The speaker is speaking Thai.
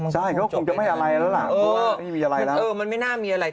ใช่เขาก็คงจะไม่อะไรแล้วล่ะเพราะว่าไม่มีอะไรแล้วเออมันไม่น่ามีอะไร